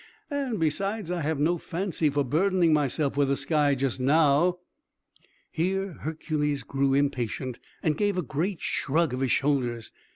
And, besides, I have no fancy for burdening myself with the sky, just now." Here Hercules grew impatient, and gave a great shrug of his shoulders.